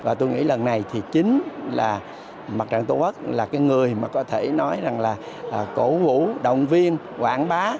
và tôi nghĩ lần này thì chính là mặt trận tổ quốc là cái người mà có thể nói rằng là cổ vũ động viên quảng bá